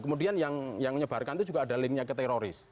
kemudian yang menyebarkan itu juga ada linknya ke teroris